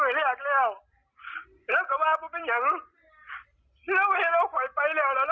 หลังสากเว็บแล้ว